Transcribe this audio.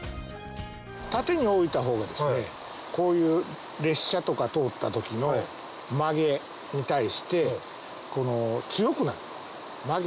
縦に置いたほうがですねこういう列車とか通った時の曲げに対して強くなる。